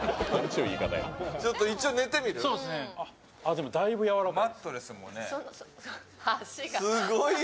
でもだいぶやわらかい。